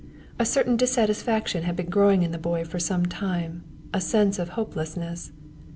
A certain dissatisfaction had been growing in the boy for some time, a sense of hopelessness.